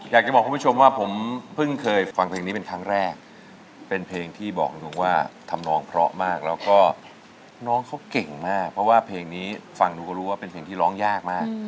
แล้วก็น้องเขาเก่งมากเพราะว่าเพลงนี้ฟังหนูก็รู้ว่าเป็นเพลงที่ร้องยากมาก